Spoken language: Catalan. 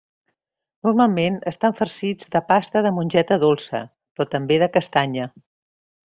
Normalment estan farcits de pasta de mongeta dolça, però també de castanya.